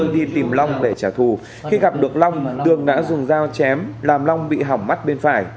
đi tìm long để trả thù khi gặp được long tường đã dùng dao chém làm long bị hỏng mắt bên phải